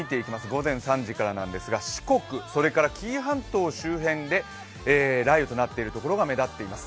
午前３時からですが四国、それから紀伊半島周辺で雷雨となっているところが目立っています。